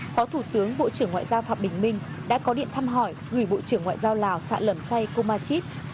phó thủ tướng bộ trưởng ngoại giao phạm bình minh đã có điện thăm hỏi gửi bộ trưởng ngoại giao lào sạ lẩm say cô ma chít